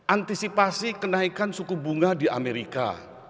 antisipasi kenaikan suku bunga di amerika